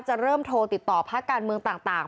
เริ่มโทรติดต่อภาคการเมืองต่าง